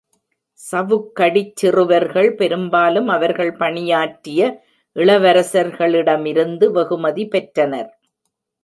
சவுக்கடிச் சிறுவர்கள் பெரும்பாலும் அவர்கள் பணியாற்றிய இளவரசர்களிடமிருந்து வெகுமதி பெற்றனர்.